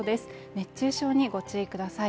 熱中症にご注意ください。